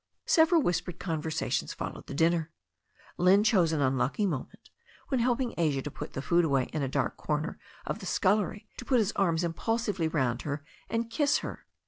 Several whispered conversations followed the dinner. Lynne chose an unlucky moment, while helping Asia to put away the food in a dark comer of the scullery, to put his arms impulsively round her and kiss her.